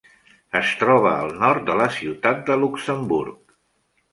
Es troba al nord de la ciutat de Luxemburg.